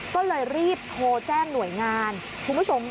ก็เลยรีบโทรแจ้งหน่วยงานคุณผู้ชม